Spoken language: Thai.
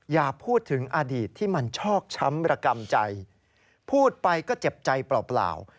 อย่าพูดถึงอดีตที่มันชอกช้ำระกำใจพูดไปก็เจ็บใจเปล่า